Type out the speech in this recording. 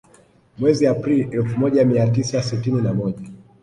Mwezi Aprili elfu moja mia tisa sitini na moja